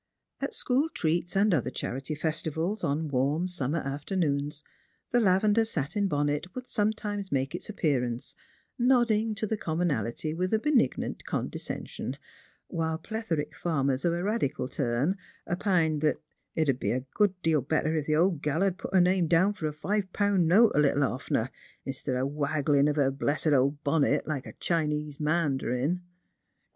At school treats and other chanty festivals, on warm summer afternoons, the lavender satin bonnet would sometimes make its appearance, nodding to the commonalty with benignant condescension ; while plethoric farmers of a radical turn opined that "it 'ud be a deal better if the old gal 'ud put her name down for a fi'pun note a little oftener, instid o' waggling of her blessed old bonnet like a Chinee mandarin."